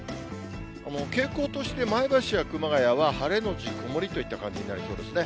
傾向として前橋や熊谷は晴れ後曇りといった感じになりそうですね。